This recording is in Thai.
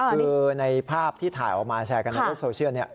คือในภาพที่ถ่ายออกมาแชร์กันในโลกโซเชียลเนี่ย